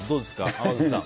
濱口さん。